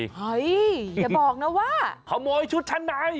เฮ้ยอย่าบอกนะว่าขโมยชุดชั้นใน